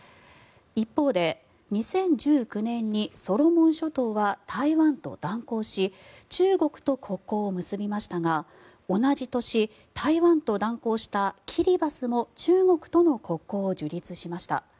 一方で、２０１９年にソロモン諸島は台湾と断交し中国と国交を結びましたが同じ年、台湾と断交したキリバスも中国との国交を樹立しました。